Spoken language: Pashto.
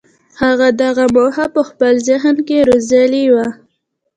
هغه دا موخه په خپل ذهن کې روزلې وه.